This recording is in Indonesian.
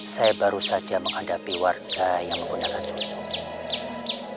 saya baru saja menghadapi warga yang menggunakan tusuk